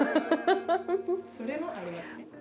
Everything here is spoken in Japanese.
それはありますね。